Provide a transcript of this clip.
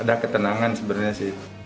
ada ketenangan sebenarnya sih